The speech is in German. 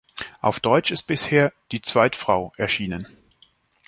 Auf Deutsch ist bisher "Die Zweitfrau" erschienen.